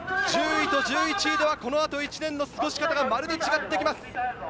１０位と１１位ではこの後１年の過ごし方が全く違ってきます。